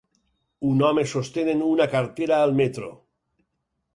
Un home sostenen una cartera al metro.